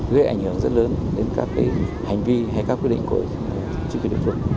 gây ảnh hưởng rất lớn đến các hành vi hay các quy định của chính quyền địa phương